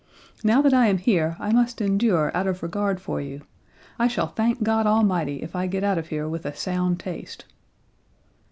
Now that I am here I must endure out of regard for you. I shall thank God Almighty if I get out of here with a sound taste."